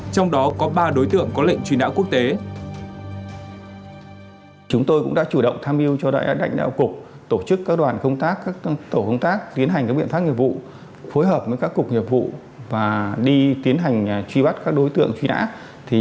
trong đó có ba đối tượng có lệnh truy nã quốc tế